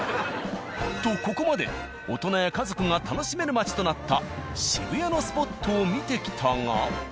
とここまで大人や家族が楽しめる街となった渋谷のスポットを見てきたが。